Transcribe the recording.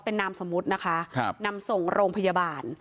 เป็นนามสมมุตินะคะนำส่งโรงพยาบาล